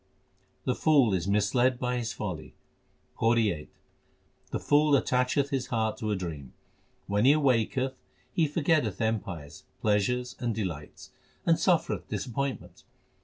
The fool is misled by his folly : PAURI VIII The fool attacheth his heart to a dream : When he awaketh he forgetteth empires, pleasures, and delights, and suffereth disappointment.